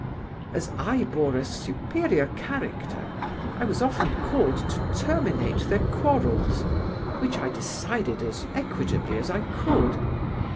As I bore a superior character, I was often called to terminate their quarrels, which I decided as equitably as I could.